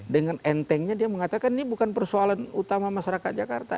dengan entengnya dia mengatakan ini bukan persoalan utama masyarakat jakarta